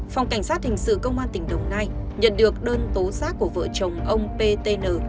phòng cảnh sát hình sự công an tỉnh đồng nai nhận được đơn tố giác của vợ chồng ông ptn